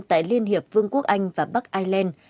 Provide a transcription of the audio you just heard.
tại liên hiệp vương quốc anh và bắc ireland